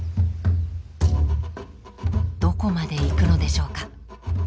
どこまで行くのでしょうか？